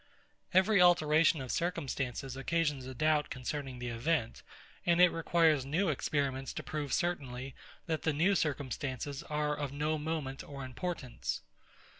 Every alteration of circumstances occasions a doubt concerning the event; and it requires new experiments to prove certainly, that the new circumstances are of no moment or importance.